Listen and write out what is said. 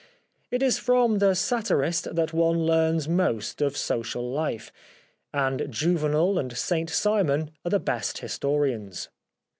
It is from the satirist that one learns most of social life ; and Juvenal and Saint Simon are the best historians.